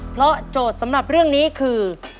เพราะโจทย์สำหรับเรื่องนี้คือ